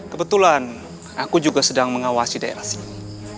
kebetulan aku juga sedang mengawasi daerah sini